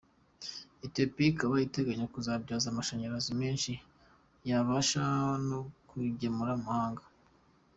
Ethiopia ikaba iteganya kuzabyaza amashanyarazi menshi yabasha no kugemura mu mahanga.